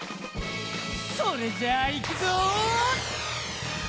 それじゃいくぞ！